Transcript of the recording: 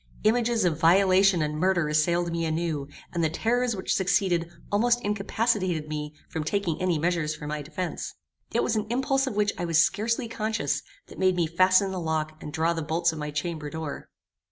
Images of violation and murder assailed me anew, and the terrors which succeeded almost incapacitated me from taking any measures for my defence. It was an impulse of which I was scarcely conscious, that made me fasten the lock and draw the bolts of my chamber door.